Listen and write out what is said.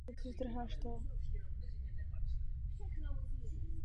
V rámci okresních soutěží hrají družstva starší a mladší přípravky a předpřípravky.